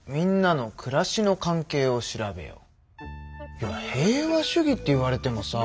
いや平和主義って言われてもさ。